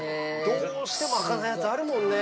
どうしても開かないやつあるもんね。